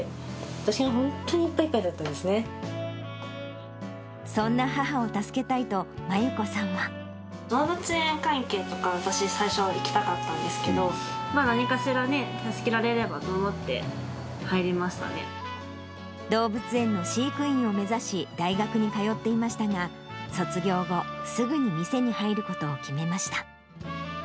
私が本当にいっぱいいっぱいだっそんな母を助けたいと、動物園関係とかが、私、最初、いきたかったんですけど、何かしら、助けられればと思って動物園の飼育員を目指し、大学に通っていましたが、卒業後、すぐに店に入ることを決めました。